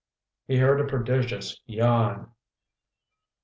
He heard a prodigious yawn.